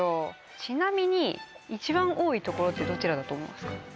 ちなみに一番多いところってどちらだと思いますか？